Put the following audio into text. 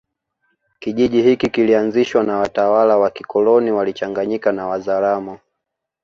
Kijiji hiki kilianzishwa na watalawa wa kikoloni walichanganyika na Wazaramo